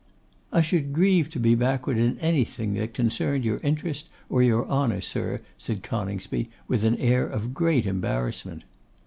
'I should grieve to be backward in anything that concerned your interest or your honour, sir,' said Coningsby, with an air of great embarrassment.